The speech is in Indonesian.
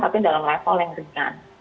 tapi dalam level yang ringan